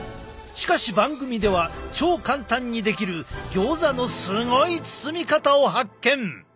しかし番組では超簡単にできるギョーザのすごい包み方を発見！